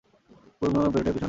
কুমু চমকে উঠে পিছন ফিরে দাঁড়ালে।